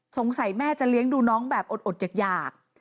สงสัยแม่จะเลี้ยงดูน้องแบบอดอยาก